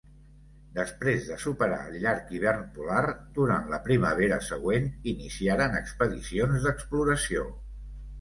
Després de superar el llarg hivern polar, durant la primavera següent iniciaren expedicions d'exploració.